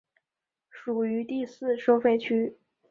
属于第四收费区。